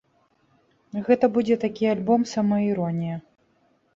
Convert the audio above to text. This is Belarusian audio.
Гэта будзе такі альбом-самаіронія.